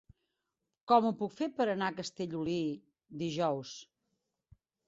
Com ho puc fer per anar a Castellolí dijous?